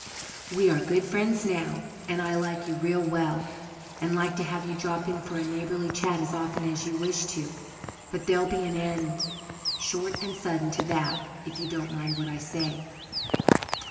We are good friends now, and I like you real well, and like to have you drop in for a neighbourly chat as often as you wish to, but there'll be an end, short and sudden, to that, if you don't mind what I say."